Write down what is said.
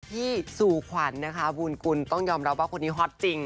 สู่ขวัญนะคะบุญกุลต้องยอมรับว่าคนนี้ฮอตจริง